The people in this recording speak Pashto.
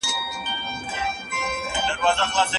ځیني خلګ هېڅکله د نورو په بریالیتوب خوشاله نه دي.